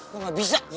gua gak bisa